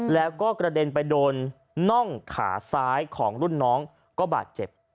แล้วก็กระเด็นไปโดนน่องขาซ้ายของรุ่นน้องก็บาดเจ็บ